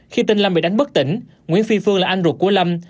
khi tên lâm bị đánh bất tỉnh nguyễn phi phương là anh ruột của lâm